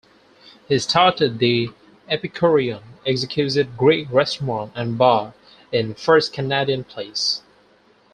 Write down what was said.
He started the "Epikourion, Exquisite Greek Restaurant and Bar" in First Canadian Place.